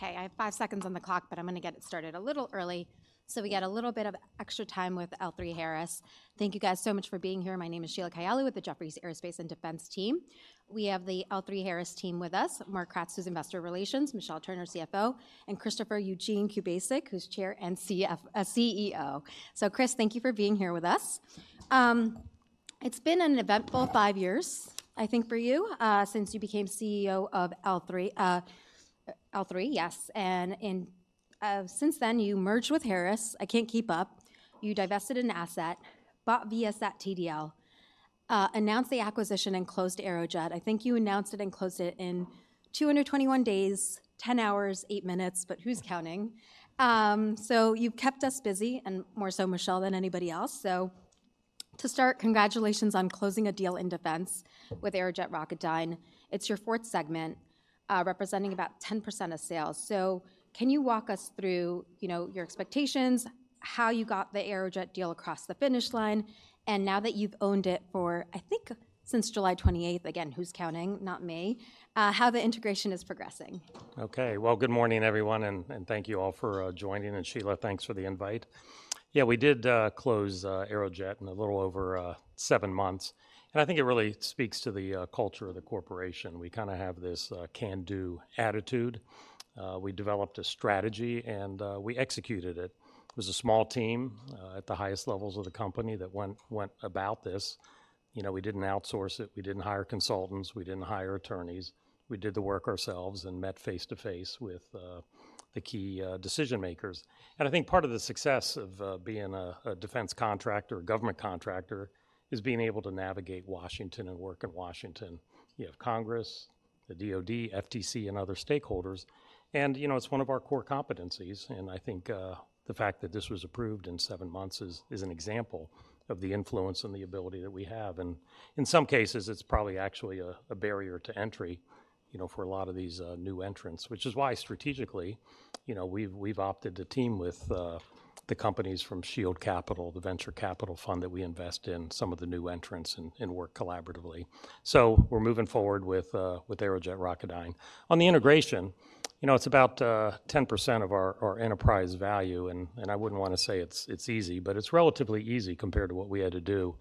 Okay, I have five seconds on the clock, but I'm gonna get it started a little early, so we get a little bit of extra time with L3Harris. Thank you guys so much for being here. My name is Sheila Kahyaoglu with the Jefferies Aerospace and Defense team. We have the L3Harris team with us, Mark Kratz, who's Investor Relations, Michelle Turner, CFO, and Christopher Eugene Kubasik, who's Chair and CEO. So, Chris, thank you for being here with us. It's been an eventful five years, I think, for you since you became CEO of L3. L3, yes, and since then, you merged with Harris. I can't keep up. You divested an asset, bought Viasat TDL, announced the acquisition and closed Aerojet. I think you announced it and closed it in 221 days, 10 hours, 8 minutes, but who's counting? So you've kept us busy and more so Michelle than anybody else. To start, congratulations on closing a deal in defense with Aerojet Rocketdyne. It's your fourth-segment, representing about 10% of sales. So can you walk us through, you know, your expectations, how you got the Aerojet deal across the finish line, and now that you've owned it for, I think, since July 28, again, who's counting? Not me. How the integration is progressing. Okay. Well, good morning, everyone, and thank you all for joining, and Sheila, thanks for the invite. Yeah, we did close Aerojet in a little over seven months, and I think it really speaks to the culture of the corporation. We kinda have this can-do attitude. We developed a strategy, and we executed it. It was a small team at the highest levels of the Company that went about this. You know, we didn't outsource it, we didn't hire consultants, we didn't hire attorneys. We did the work ourselves and met face-to-face with the key decision-makers. I think part of the success of being a defense contractor or government contractor is being able to navigate Washington and work in Washington. You have Congress, the DoD, FTC, and other stakeholders, and, you know, it's one of our core competencies, and I think, the fact that this was approved in seven months is an example of the influence and the ability that we have. In some cases, it's probably actually a barrier to entry, you know, for a lot of these, new entrants, which is why strategically, you know, we've opted to team with, the companies from Shield Capital, the venture capital fund, that we invest in some of the new entrants and work collaboratively. So we're moving forward with Aerojet Rocketdyne. On the integration, you know, it's about 10% of our enterprise value, and I wouldn't want to say it's easy, but it's relatively easy compared to what we had to do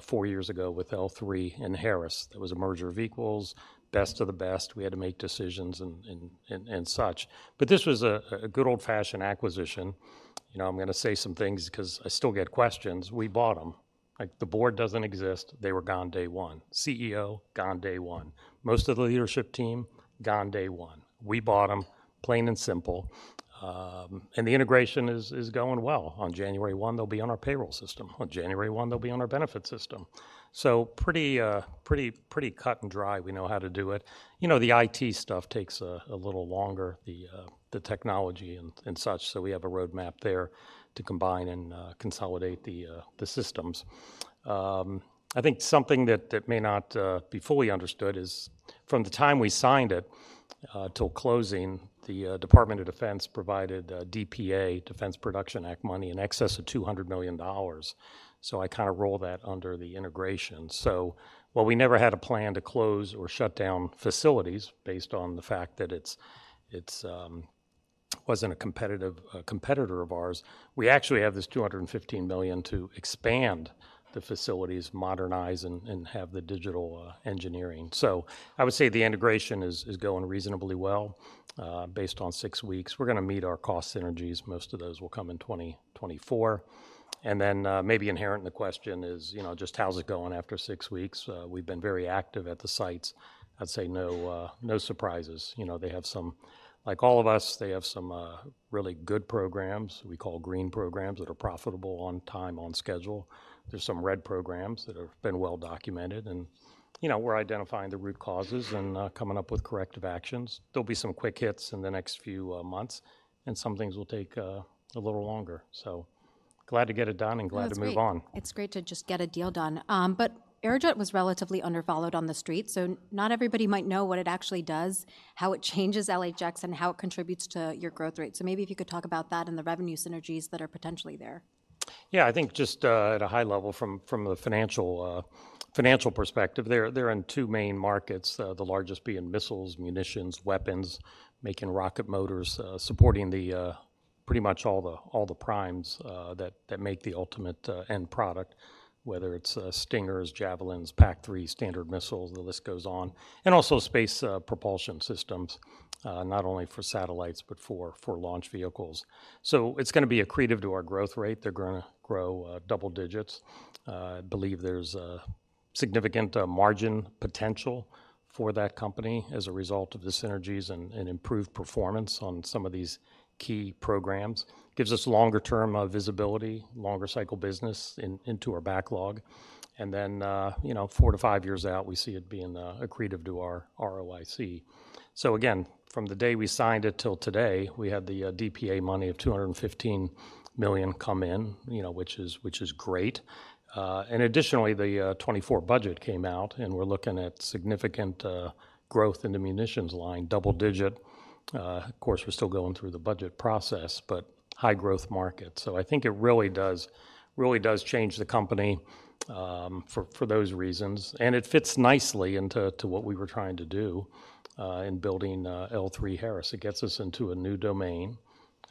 four years ago with L3 and Harris. That was a merger of equals, best of the best. We had to make decisions and such. But this was a good old-fashioned acquisition. You know, I'm gonna say some things 'cause I still get questions. We bought them. Like, the Board doesn't exist, they were gone day one. CEO, gone day one. Most of the leadership team, gone day one. We bought them, plain and simple, and the integration is going well. On January 1, they'll be on our payroll system. On January 1, they'll be on our benefit system. So pretty cut and dry. We know how to do it. You know, the IT stuff takes a little longer, the technology and such, so we have a roadmap there to combine and consolidate the systems. I think something that may not be fully understood is from the time we signed it till closing, the Department of Defense provided DPA, Defense Production Act money, in excess of $200 million. So I kinda roll that under the integration. So while we never had a plan to close or shut down facilities based on the fact that it wasn't a competitor of ours, we actually have this $215 million to expand the facilities, modernize, and have the digital engineering. So I would say the integration is going reasonably well, based on six weeks. We're gonna meet our cost synergies. Most of those will come in 2024. And then, maybe inherent in the question is, you know, just how's it going after six weeks? We've been very active at the sites. I'd say no surprises. You know, they have some, like all of us, they have some really good programs, we call green programs, that are profitable on time, on schedule. There's some red programs that have been well documented and, you know, we're identifying the root causes and coming up with corrective actions. There'll be some quick hits in the next few months, and some things will take a little longer. So glad to get it done and glad to move on. No, it's great. It's great to just get a deal done. But Aerojet was relatively under-followed on the street, so not everybody might know what it actually does, how it changes LHX, and how it contributes to your growth rate. So maybe if you could talk about that and the revenue synergies that are potentially there. Yeah, I think just at a high level from the financial perspective, they're in two main markets, the largest being missiles, munitions, weapons, making rocket motors, supporting pretty much all the primes that make the ultimate end product, whether it's Stingers, Javelins, PAC-3, Standard Missiles, the list goes on. And also space propulsion systems, not only for satellites but for launch vehicles. So it's gonna be accretive to our growth rate. They're gonna grow double digits. I believe there's significant margin potential for that company as a result of the synergies and improved performance on some of these key programs. Gives us longer-term visibility, longer cycle business into our backlog, and then you know, four-five years out, we see it being accretive to our ROIC. So again, from the day we signed it till today, we had the DPA money of $215 million come in, you know, which is, which is great. And additionally, the 2024 budget came out, and we're looking at significant growth in the munitions line, double-digit. Of course, we're still going through the budget process, but high-growth market. So I think it really does, really does change the company for those reasons, and it fits nicely into what we were trying to do in building L3Harris. It gets us into a new domain.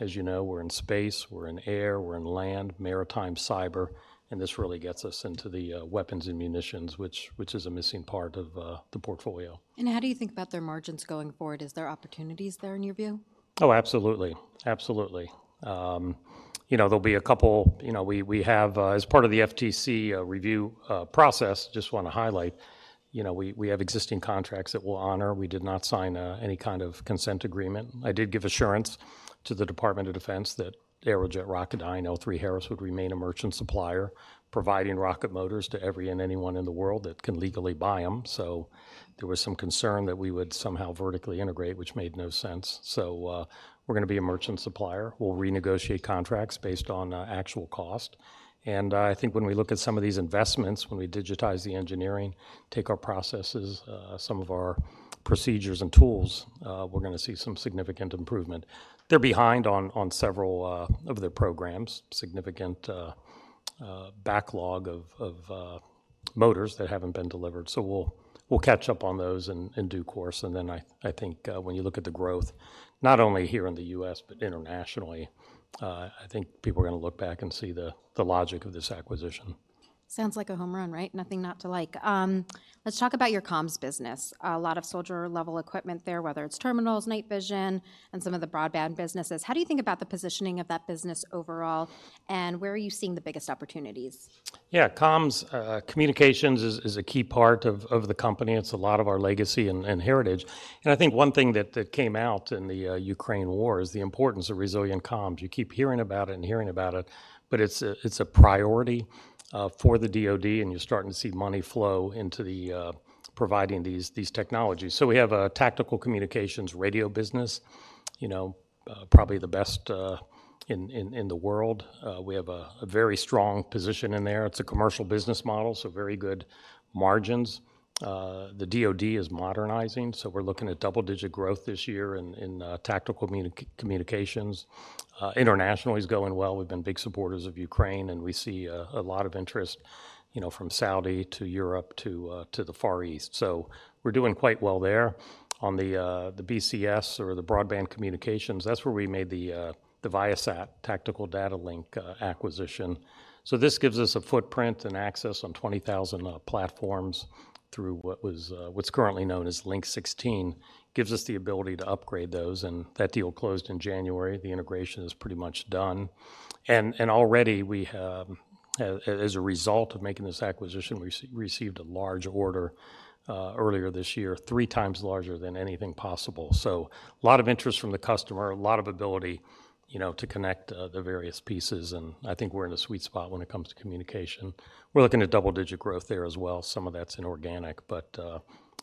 As you know, we're in space, we're in air, we're in land, maritime, cyber, and this really gets us into the weapons and munitions, which is a missing part of the portfolio. How do you think about their margins going forward? Is there opportunities there, in your view? Oh, absolutely. Absolutely. You know, there'll be a couple—you know, we, we have, as part of the FTC review process, just want to highlight, you know, we, we have existing contracts that we'll honor. We did not sign any kind of consent agreement. I did give assurance to the Department of Defense that Aerojet Rocketdyne, L3Harris, would remain a merchant supplier, providing rocket motors to every and anyone in the world that can legally buy them. So there was some concern that we would somehow vertically integrate, which made no sense. So, we're gonna be a merchant supplier. We'll renegotiate contracts based on actual cost, and I think when we look at some of these investments, when we digitize the engineering, take our processes, some of our procedures and tools, we're gonna see some significant improvement. They're behind on several of their programs, significant backlog of motors that haven't been delivered, so we'll catch up on those in due course, and then I think, when you look at the growth, not only here in the U.S., but internationally, I think people are gonna look back and see the logic of this acquisition. Sounds like a home run, right? Nothing not to like. Let's talk about your comms business. A lot of soldier-level equipment there, whether it's terminals, night vision, and some of the broadband businesses. How do you think about the positioning of that business overall, and where are you seeing the biggest opportunities? Yeah, comms, communications is a key part of the Company. It's a lot of our legacy and heritage, and I think one thing that came out in the Ukraine war is the importance of resilient comms. You keep hearing about it and hearing about it, but it's a priority for the DoD, and you're starting to see money flow into the providing these technologies. So we have a tactical communications radio business, you know, probably the best in the world. We have a very strong position in there. It's a commercial business model, so very good margins. The DoD is modernizing, so we're looking at double-digit growth this year in tactical communications. Internationally is going well. We've been big supporters of Ukraine, and we see a lot of interest, you know, from Saudi to Europe to the Far East. So we're doing quite well there. On the BCS or the Broadband Communications, that's where we made the Viasat Tactical Data Links acquisition. So this gives us a footprint and access on 20,000 platforms through what was what's currently known as Link 16. Gives us the ability to upgrade those, and that deal closed in January. The integration is pretty much done. And already we have, as a result of making this acquisition, we received a large order earlier this year, three times larger than anything possible. So a lot of interest from the customer, a lot of ability, you know, to connect, the various pieces, and I think we're in a sweet spot when it comes to communication. We're looking at double-digit growth there as well. Some of that's inorganic, but,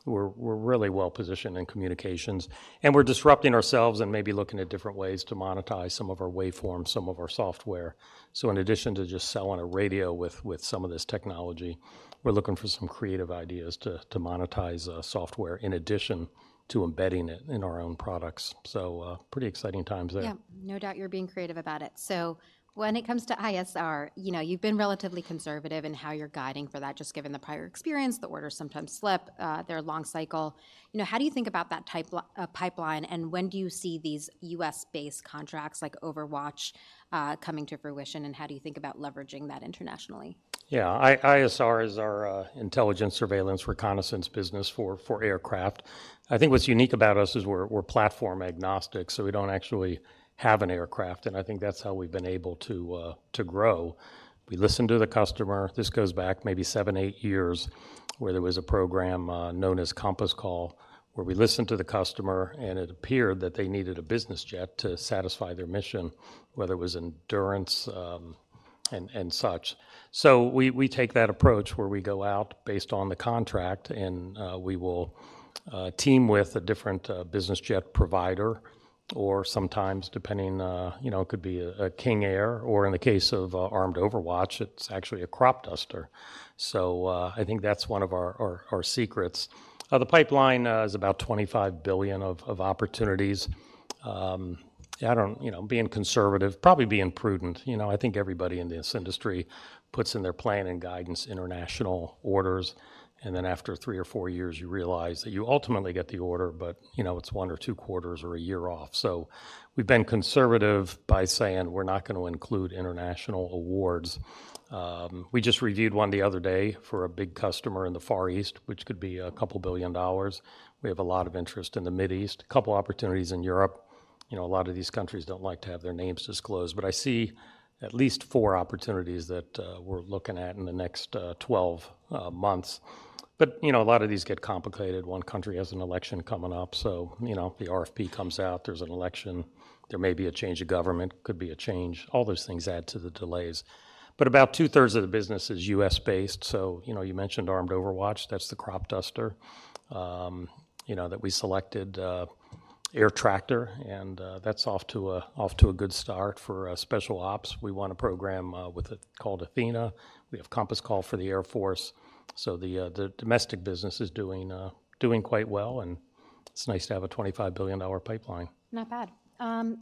we're really well-positioned in communications, and we're disrupting ourselves and maybe looking at different ways to monetize some of our waveforms, some of our software. So in addition to just selling a radio with, with some of this technology, we're looking for some creative ideas to, to monetize, software, in addition to embedding it in our own products. So, pretty exciting times there. Yeah, no doubt you're being creative about it. So when it comes to ISR, you know, you've been relatively conservative in how you're guiding for that, just given the prior experience, the orders sometimes slip, they're long cycle. You know, how do you think about that type pipeline, and when do you see these U.S.-based contracts, like Overwatch, coming to fruition, and how do you think about leveraging that internationally? Yeah, ISR is our intelligence, surveillance, reconnaissance business for aircraft. I think what's unique about us is we're platform agnostic, so we don't actually have an aircraft, and I think that's how we've been able to grow. We listen to the customer. This goes back maybe seven to eight years, where there was a program known as Compass Call, where we listened to the customer, and it appeared that they needed a business jet to satisfy their mission, whether it was endurance, and such. So we take that approach, where we go out based on the contract, and we will team with a different business jet provider or sometimes, depending, you know, it could be a King Air, or in the case of Armed Overwatch, it's actually a crop duster. So, I think that's one of our secrets. The pipeline is about $25 billion of opportunities. I don't... You know, being conservative, probably being prudent, you know, I think everybody in this industry puts in their plan and guidance, international orders, and then after three or four years, you realize that you ultimately get the order, but, you know, it's one or two quarters or a year off. So we've been conservative by saying we're not gonna include international awards. We just reviewed one the other day for a big customer in the Far East, which could be a couple billion dollars. We have a lot of interest in the Middle East, a couple opportunities in Europe... you know, a lot of these countries don't like to have their names disclosed. But I see at least four opportunities that we're looking at in the next 12 months. But, you know, a lot of these get complicated. One country has an election coming up, so, you know, the RFP comes out, there's an election, there may be a change of government, could be a change. All those things add to the delays. But about two-thirds of the business is U.S.-based, so, you know, you mentioned Armed Overwatch, that's the crop duster, you know, that we selected Air Tractor, and that's off to a good start for special operations. We won a program with a called Athena. We have Compass Call for the Air Force. So the domestic business is doing quite well, and it's nice to have a $25 billion pipeline. Not bad.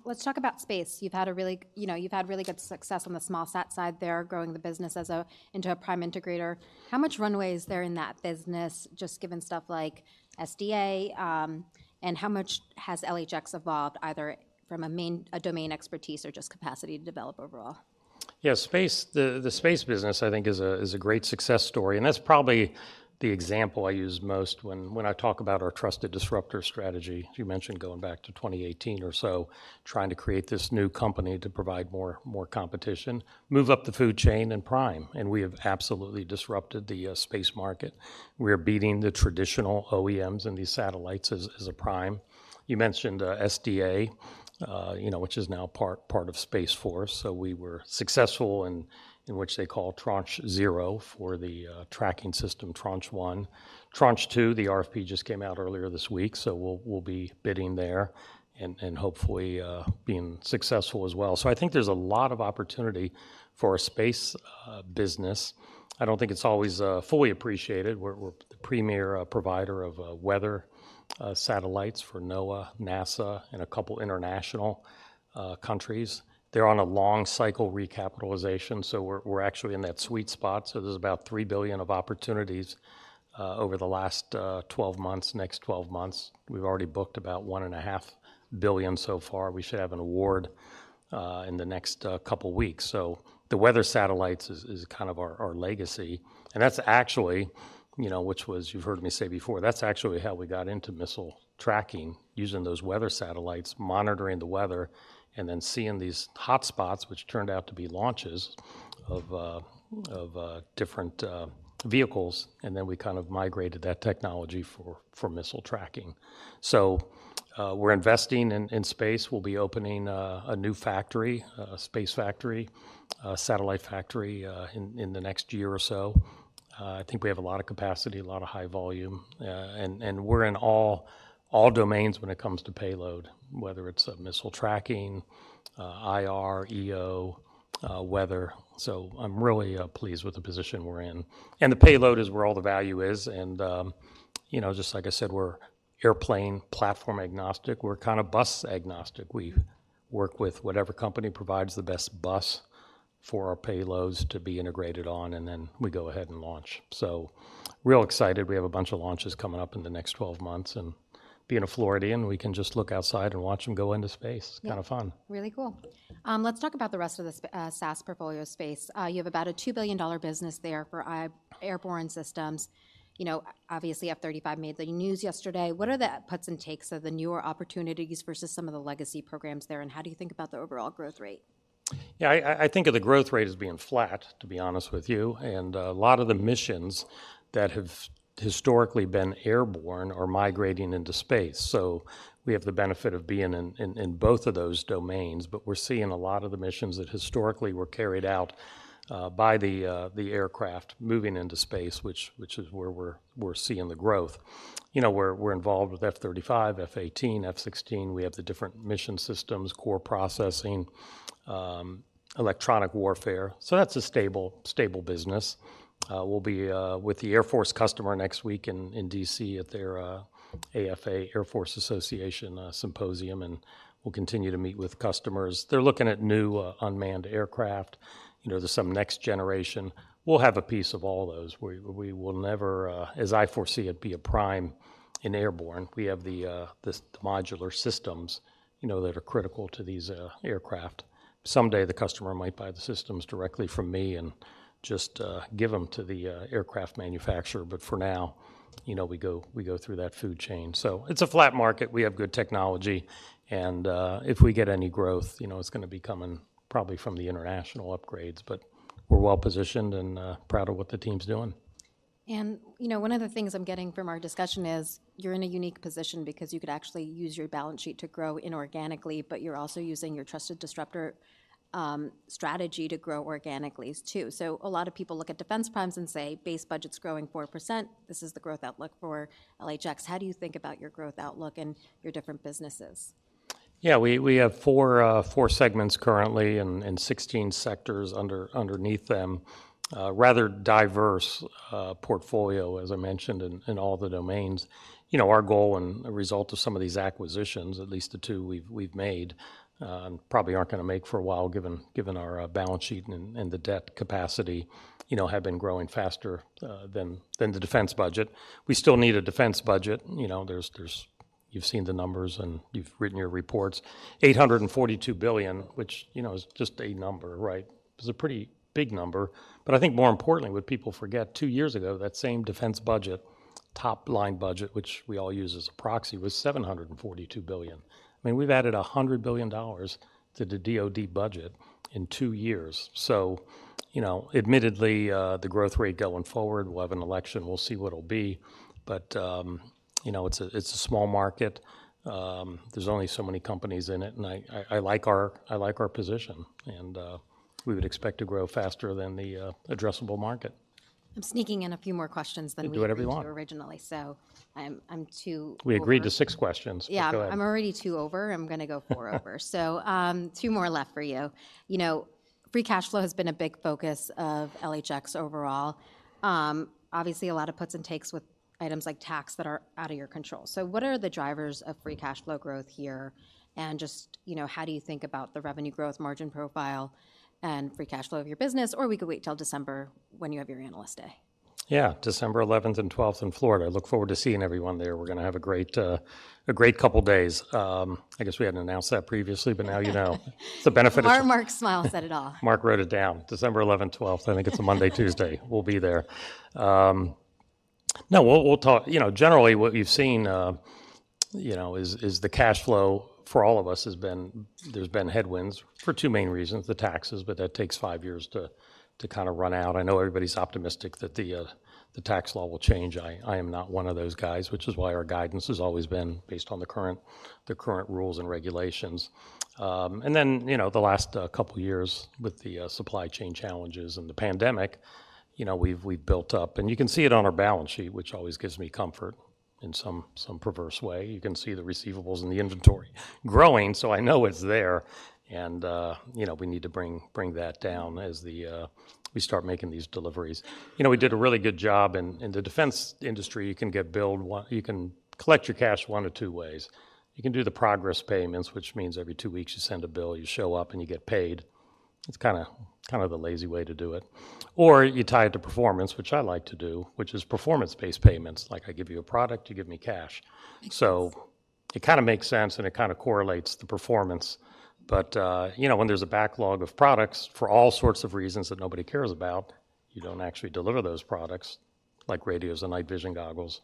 Let's talk about space. You've had a really—you know, you've had really good success on the small sat side there, growing the business as a—into a prime integrator. How much runway is there in that business, just given stuff like SDA, and how much has LHX evolved, either from a main—a domain expertise or just capacity to develop overall? Yeah, space, the, the space business, I think, is a, is a great success story, and that's probably the example I use most when, when I talk about our trusted disruptor strategy. You mentioned going back to 2018 or so, trying to create this new company to provide more, more competition, move up the food chain and prime, and we have absolutely disrupted the space market. We're beating the traditional OEMs and these satellites as, as a prime. You mentioned SDA, you know, which is now part, part of Space Force. So we were successful in, in what they call Tranche 0 for the tracking system, Tranche 1. Tranche 2, the RFP just came out earlier this week, so we'll, we'll be bidding there and, and hopefully being successful as well. So I think there's a lot of opportunity for our space business. I don't think it's always fully appreciated. We're the premier provider of weather satellites for NOAA, NASA, and a couple international countries. They're on a long cycle recapitalization, so we're actually in that sweet spot. So there's about $3 billion of opportunities over the last 12 months, next 12 months. We've already booked about $1.5 billion so far. We should have an award in the next couple of weeks. So the weather satellites is kind of our legacy, and that's actually, you know, which was-- you've heard me say before, that's actually how we got into missile tracking, using those weather satellites, monitoring the weather, and then seeing these hotspots, which turned out to be launches of different vehicles, and then we kind of migrated that technology for missile tracking. We're investing in space. We'll be opening a new factory, a space factory, a satellite factory, in the next year or so. I think we have a lot of capacity, a lot of high volume, and we're in all domains when it comes to payload, whether it's missile tracking, IR, EO, weather. I'm really pleased with the position we're in. The payload is where all the value is and, you know, just like I said, we're airplane platform agnostic. We're kind of bus agnostic. We work with whatever company provides the best bus for our payloads to be integrated on, and then we go ahead and launch. Real excited. We have a bunch of launches coming up in the next 12 months, and being a Floridian, we can just look outside and watch them go into space. Yeah. It's kind of fun. Really cool. Let's talk about the rest of the SAS portfolio space. You have about a $2 billion business there for airborne systems. You know, obviously, F-35 made the news yesterday. What are the puts and takes of the newer opportunities vs some of the legacy programs there, and how do you think about the overall growth rate? Yeah, I think of the growth rate as being flat, to be honest with you. And a lot of the missions that have historically been airborne are migrating into space. So we have the benefit of being in both of those domains, but we're seeing a lot of the missions that historically were carried out by the aircraft moving into space, which is where we're seeing the growth. You know, we're involved with F-35, F/A-18, F-16. We have the different mission systems, core processing, electronic warfare. So that's a stable business. We'll be with the Air Force customer next week in D.C. at their AFA, Air Force Association, symposium, and we'll continue to meet with customers. They're looking at new unmanned aircraft. You know, there's some next generation. We'll have a piece of all those. We will never, as I foresee it, be a prime in airborne. We have the modular systems, you know, that are critical to these aircraft. Someday, the customer might buy the systems directly from me and just give them to the aircraft manufacturer, but for now, you know, we go through that food chain. So it's a flat market. We have good technology, and if we get any growth, you know, it's gonna be coming probably from the international upgrades. But we're well-positioned and proud of what the team's doing. You know, one of the things I'm getting from our discussion is, you're in a unique position because you could actually use your balance sheet to grow inorganically, but you're also using your trusted disruptor strategy to grow organically, too. So a lot of people look at defense primes and say, "Base budget's growing 4%. This is the growth outlook for LHX." How do you think about your growth outlook and your different businesses? Yeah, we have four-segments currently and 16 sectors underneath them. Rather diverse portfolio, as I mentioned, in all the domains. You know, our goal and a result of some of these acquisitions, at least the two we've made, and probably aren't gonna make for a while, given our balance sheet and the debt capacity, you know, have been growing faster than the defense budget. We still need a defense budget. You know, there's, you've seen the numbers, and you've written your reports. $842 billion, which, you know, is just a number, right? It's a pretty big number. But I think more importantly, what people forget, two years ago, that same defense budget top-line budget, which we all use as a proxy, was $742 billion. I mean, we've added $100 billion to the DoD budget in two years. So, you know, admittedly, the growth rate going forward, we'll have an election, we'll see what it'll be. But, you know, it's a small market. There's only so many companies in it, and I like our position, and we would expect to grow faster than the addressable market. I'm sneaking in a few more questions than we agreed to- You can do whatever you want. Originally, so I'm two over. We agreed to six questions. Yeah. Go ahead. I'm already two over, I'm gonna go four over. So, two more left for you. You know, free cash flow has been a big focus of LHX overall. Obviously a lot of puts and takes with items like tax that are out of your control. So what are the drivers of free cash flow growth here? And just, you know, how do you think about the revenue growth margin profile and free cash flow of your business? Or we could wait till December when you have your Analyst Day. Yeah, December 11th and December 12th in Florida. I look forward to seeing everyone there. We're gonna have a great, a great couple days. I guess we hadn't announced that previously, but now you know. It's a benefit- Mark's smile said it all. Mark wrote it down. December 11 and 12. I think it's a Monday and Tuesday. We'll be there. No, we'll talk. You know, generally, what we've seen, you know, is the cash flow for all of us has been—there's been headwinds for two main reasons: the taxes, but that takes five years to kinda run out. I know everybody's optimistic that the tax law will change. I am not one of those guys, which is why our guidance has always been based on the current rules and regulations. And then, you know, the last couple years with the supply chain challenges and the pandemic, you know, we've built up. And you can see it on our balance sheet, which always gives me comfort in some perverse way. You can see the receivables and the inventory growing, so I know it's there. And, you know, we need to bring, bring that down as we start making these deliveries. You know, we did a really good job. In the defense industry, you can get billed one-- you can collect your cash one of two ways. You can do the progress payments, which means every two weeks you send a bill, you show up, and you get paid. It's kinda, kinda the lazy way to do it. Or you tie it to performance, which I like to do, which is performance-based payments. Like, I give you a product, you give me cash. So it kinda makes sense, and it kinda correlates the performance. But, you know, when there's a backlog of products for all sorts of reasons that nobody cares about, you don't actually deliver those products, like radios and night vision goggles,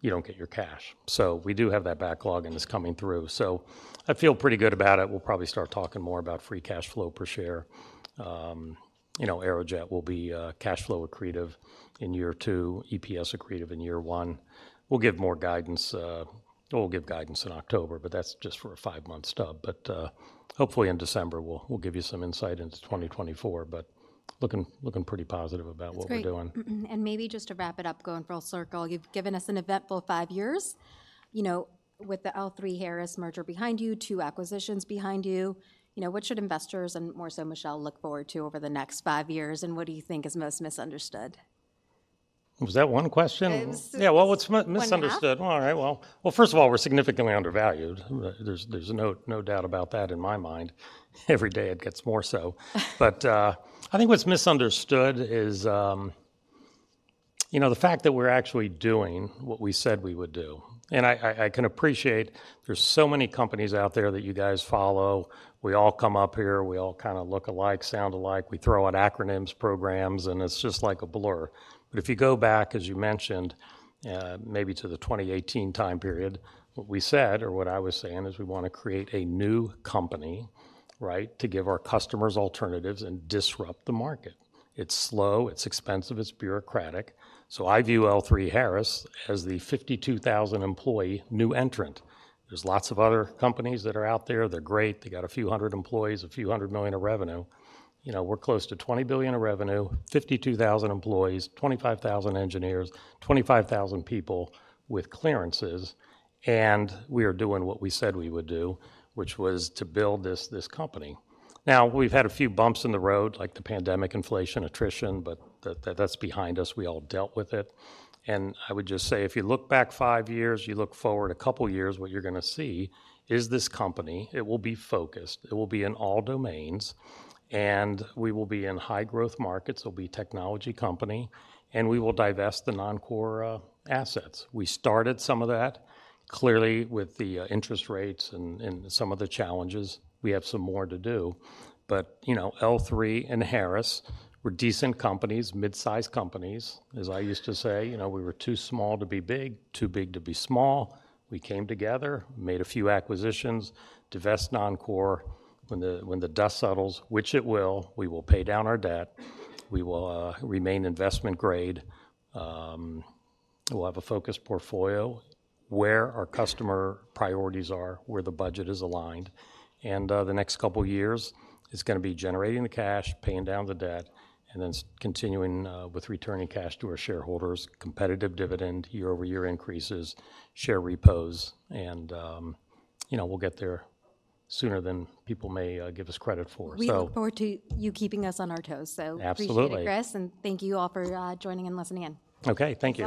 you don't get your cash. So we do have that backlog, and it's coming through. So I feel pretty good about it. We'll probably start talking more about free cash flow per share. You know, Aerojet will be cash flow accretive in year two, EPS accretive in year one. We'll give more guidance. We'll give guidance in October, but that's just for a five-month stub. But, hopefully in December, we'll give you some insight into 2024, but looking pretty positive about what we're doing. That's great. And maybe just to wrap it up, going full circle, you've given us an eventful five years, you know, with the L3Harris merger behind you, two acquisitions behind you. You know, what should investors, and more so Michelle, look forward to over the next five years, and what do you think is most misunderstood? Was that one question? It's- Yeah, well, what's misunderstood? 1.5. All right, well, first of all, we're significantly undervalued. There's no doubt about that in my mind. Every day it gets more so. But I think what's misunderstood is, you know, the fact that we're actually doing what we said we would do. And I can appreciate there's so many companies out there that you guys follow. We all come up here, we all kinda look alike, sound alike, we throw out acronyms, programs, and it's just like a blur. But if you go back, as you mentioned, maybe to the 2018 time period, what we said, or what I was saying, is we wanna create a new company, right, to give our customers alternatives and disrupt the market. It's slow, it's expensive, it's bureaucratic. So I view L3Harris as the 52,000 employee new entrant. are lots of other companies that are out there, they're great, they got a few hundred employees, a few hundred million of revenue. You know, we're close to $20 billion of revenue, 52,000 employees, 25,000 engineers, 25,000 people with clearances, and we are doing what we said we would do, which was to build this, this company. Now, we've had a few bumps in the road, like the pandemic, inflation, attrition, but that, that's behind us. We all dealt with it. And I would just say, if you look back five years, you look forward a couple of years, what you're gonna see is this company, it will be focused, it will be in all domains, and we will be in high growth markets, it'll be a technology company, and we will divest the non-core assets. We started some of that. Clearly, with the interest rates and some of the challenges, we have some more to do. But, you know, L3 and Harris were decent companies, mid-size companies, as I used to say. You know, we were too small to be big, too big to be small. We came together, made a few acquisitions, divest non-core. When the dust settles, which it will, we will pay down our debt, we will remain investment grade, we'll have a focused portfolio where our customer priorities are, where the budget is aligned. And the next couple of years is gonna be generating the cash, paying down the debt, and then continuing with returning cash to our shareholders, competitive dividend, year-over-year increases, share repos, and, you know, we'll get there sooner than people may give us credit for. So- We look forward to you keeping us on our toes. Absolutely. Appreciate it, Chris, and thank you all for joining and listening in. Okay, thank you.